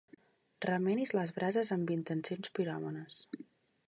Remenis les brases amb intencions piròmanes.